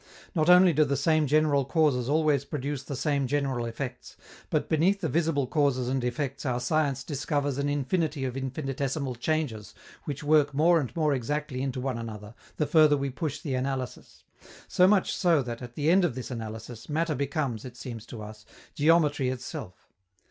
Not only do the same general causes always produce the same general effects, but beneath the visible causes and effects our science discovers an infinity of infinitesimal changes which work more and more exactly into one another, the further we push the analysis: so much so that, at the end of this analysis, matter becomes, it seems to us, geometry itself.